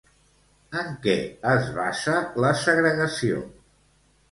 En què es basa la segregació?